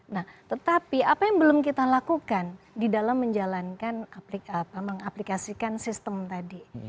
nah tetapi apa yang belum kita lakukan di dalam menjalankan mengaplikasikan sistem tadi